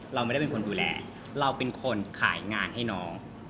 เราไม่ได้เป็นคนดูแลเราเป็นคนขายงานให้น้อง